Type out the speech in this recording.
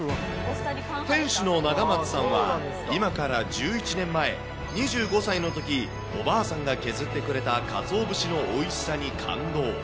店主の永松さんは今から１１年前、２５歳のとき、おばあさんが削ってくれたかつお節のおいしさに感動。